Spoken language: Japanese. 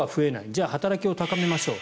じゃあ働きを高めましょう。